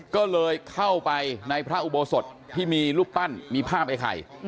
ก็เลยเข้าไปในพระอุโบสถที่มีรูปปั้นมีภาพไอ้ไข่